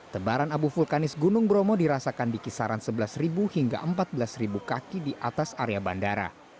tebaran abu vulkanis gunung bromo dirasakan di kisaran sebelas hingga empat belas kaki di atas area bandara